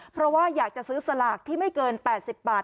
เพราะว่าอยากจะซื้อสลากที่ไม่เกิน๘๐บาท